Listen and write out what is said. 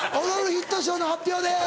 ヒット賞‼の発表です！